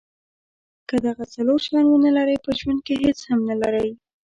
که دغه څلور شیان ونلرئ په ژوند کې هیڅ هم نلرئ.